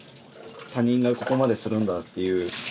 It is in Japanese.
他人がここまでするんだっていう。